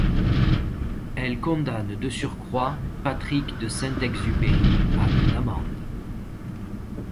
Elle condamne de surcroît Patrick de Saint-Exupéry à une amende.